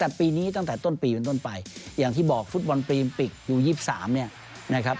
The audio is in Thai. แต่ปีนี้ตั้งแต่ต้นปีเป็นต้นไปอย่างที่บอกฟุตบอลปรีมปิกยู๒๓เนี่ยนะครับ